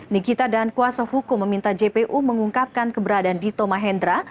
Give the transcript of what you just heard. nikita dan kuasa hukum meminta jpu mengungkapkan keberadaan dito mahendra